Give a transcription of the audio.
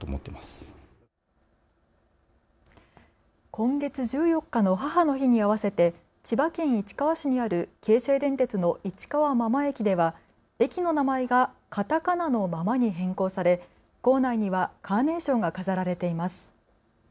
今月１４日の母の日に合わせて千葉県市川市にある京成電鉄の市川真間駅では駅の名前がカタカナのママに変更され構内にはカーネーションが飾られています。